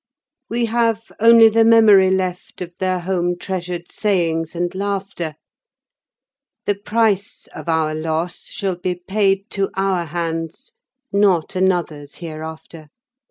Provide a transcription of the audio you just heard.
We have only the memory left of their home treasured sayings and laughter. The price of our loss shall be paid to our hands, not another's hereafter.